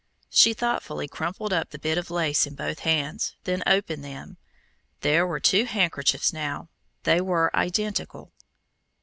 She thoughtfully crumpled up the bit of lace in both hands, then opened them. There were two handkerchiefs now they were identical.